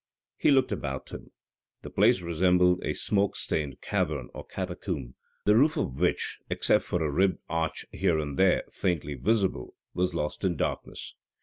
He looked about him. The place resembled a smoke stained cavern or catacomb, the roof of which, except for a ribbed arch here and there faintly visible, was lost in darkness.